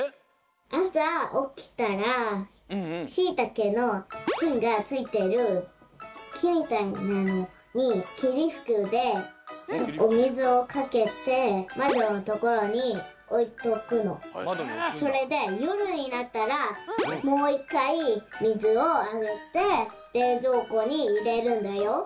あさおきたらシイタケのきんがついてるきみたいなのにきりふきでおみずをかけてまどのところにおいとくの。それでよるになったらもういっかいみずをあげてれいぞうこにいれるんだよ。